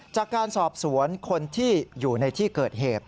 จากการสอบสวนคนที่อยู่ในที่เกิดเหตุ